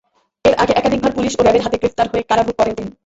এর আগে একাধিকবার পুলিশ ও র্যাবের হাতে গ্রেপ্তার হয়ে কারাভোগ করেন তিনি।